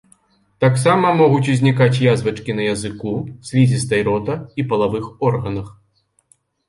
Таксама могуць узнікаць язвачкі на языку, слізістай рота і палавых органах.